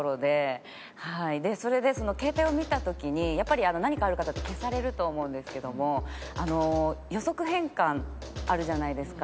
それで携帯を見た時にやっぱり何かある方って消されると思うんですけども予測変換あるじゃないですか。